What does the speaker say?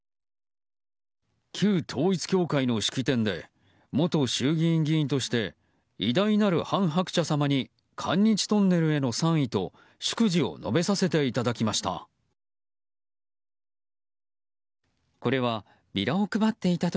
旧統一教会の式典で元衆議院議員として偉大なる韓鶴子様に韓日トンネルへの賛意と祝辞を述べさせていただきました。